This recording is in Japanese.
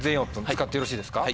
使ってよろしいですか？